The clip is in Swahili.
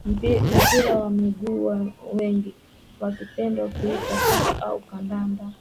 Mpira wa miguu au wengi wakipenda kuuita soka au kandanda